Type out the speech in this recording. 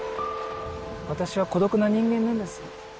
私は孤独な人間なんです。